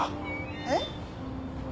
えっ？